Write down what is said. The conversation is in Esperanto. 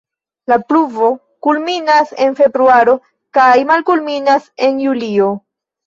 La pluvo kulminas en februaro kaj malkulminas en julio.